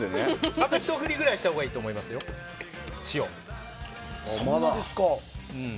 あとひと振りぐらいしたほうがいいと思いますよ、塩。